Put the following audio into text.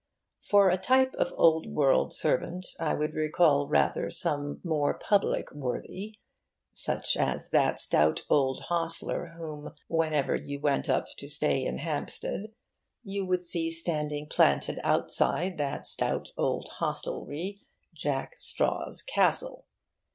For a type of old world servant I would recall rather some more public worthy, such as that stout old hostler whom, whenever you went up to stay in Hampstead, you would see standing planted outside that stout old hostelry, Jack Straw's Castle.